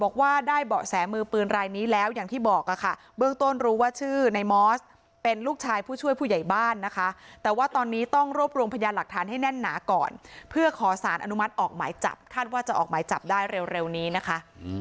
การอนุมัติออกหมายจับคาดว่าจะออกหมายจับได้เร็วนี้นะคะ